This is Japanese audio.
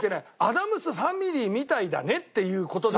アダムス・ファミリーみたいだねっていう事だから。